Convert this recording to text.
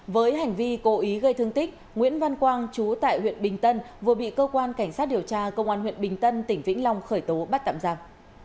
với hành vi cố ý gây thương tích nguyễn văn quang chú tại huyện bình tân vừa bị cơ quan cảnh sát điều tra công an huyện bình tân tỉnh vĩnh long khởi tố bắt tạm giam